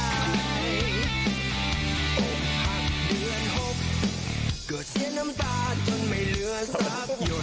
อกหักเดือนหกเกิดเสียน้ำตาจนไม่เหลือสับหยุด